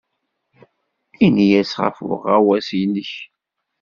Ini-as ɣef uɣawas-nnek.